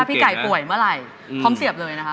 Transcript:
พี่ไก่ป่วยเมื่อไหร่พร้อมเสียบเลยนะคะ